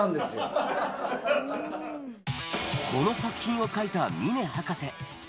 この作品を描いた峰博士。